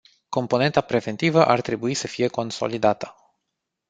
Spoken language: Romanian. Componenta preventivă ar trebui să fie consolidată.